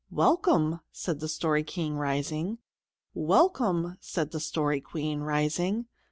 "Welcome!" said the Story King, rising. "Welcome!" said the Story Queen, rising.